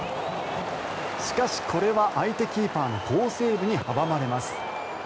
しかし、これは相手キーパーの好セーブに阻まれます。